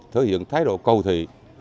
thể hiện thái độ cầu thị